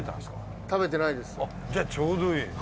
じゃあちょうどいい。